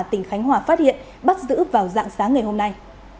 tỉnh khánh hòa phát hiện bắt giữ vào dạng sáng ngày hôm nay